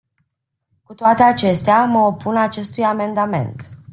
Cu toate acestea, mă opun acestui amendament.